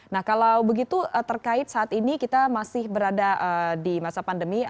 nah kalau begitu terkait saat ini kita masih berada di masa pandemi